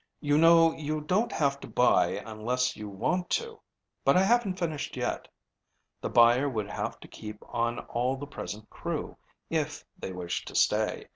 "You know you don't have to buy unless you want to. But I haven't finished yet. The buyer would have to keep on all the present crew, if they wish to stay.